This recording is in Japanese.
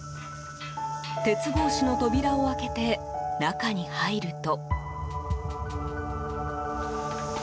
鉄格子の扉を開けて中に入ると。